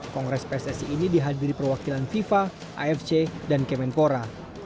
kongres pssi ini dihadiri perwakilan fifa afc dan kemenpora